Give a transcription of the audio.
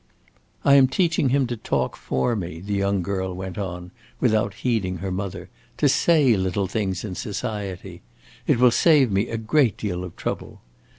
"I am teaching him to talk for me," the young girl went on, without heeding her mother; "to say little things in society. It will save me a great deal of trouble.